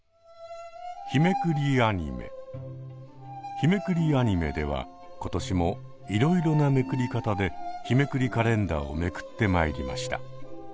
日めくりアニメでは今年もいろいろなめくり方で日めくりカレンダーをめくってまいりました。